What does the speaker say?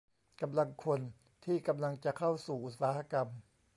กำลังคนที่กำลังจะเข้าสู่อุตสาหกรรม